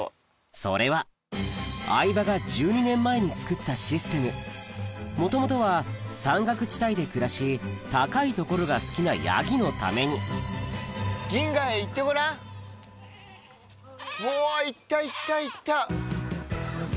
それは相葉が１２年前に作ったシステムもともとは山岳地帯で暮らし高い所が好きなヤギのためにおぉ行った行った行った！